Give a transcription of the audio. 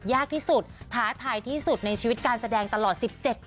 ยากที่สุดท้าทายที่สุดในชีวิตการแสดงตลอด๑๗ปี